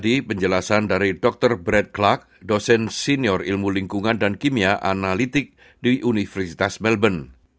ini penjelasan dari dr bread cluck dosen senior ilmu lingkungan dan kimia analitik di universitas melbourne